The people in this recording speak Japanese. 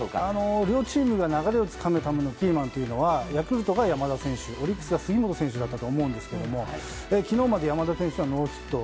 両チームが流れをつかむためのキーマンは、ヤクルトが山田選手オリックスが杉本選手だったと思いますが昨日まで山田選手はノーヒット。